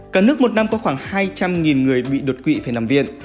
cả nước một năm có khoảng hai trăm linh người bị đột quỵ phải nằm viện